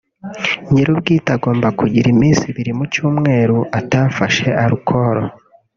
nyirubwite agomba kugira iminsi ibiri mu cyumweru atafashe alcool